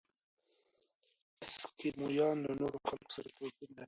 اسکیمویان له نورو خلکو سره توپیر لري.